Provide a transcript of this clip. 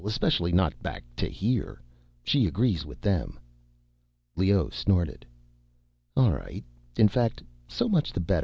especially not back to here. She agrees with them." Leoh snorted. "All right. In fact, so much the better.